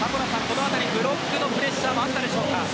ブロックのプレッシャーもあったでしょうか。